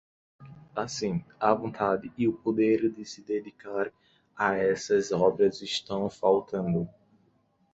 Assim, a vontade e o poder de se dedicar a essas obras estão faltando.